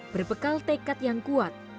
berbekal tekad yang kuat